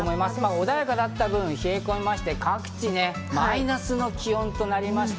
穏やかだった分、冷え込んで各地マイナスの気温となりました。